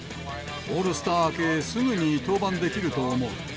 オールスター明け、すぐに登板できると思う。